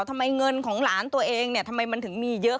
ทำไมเงินของหลานตัวเองเนี่ยทำไมมันถึงมีเยอะ